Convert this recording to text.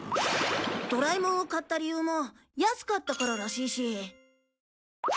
ドラえもんを買った理由も安かったかららしいし。